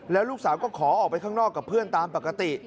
แล้วลูกสาวก็ขอออกไปข้างนอกกับเพื่อนตามปกติ